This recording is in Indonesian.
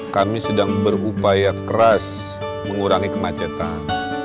kami sedang berupaya keras mengurangi kemacetan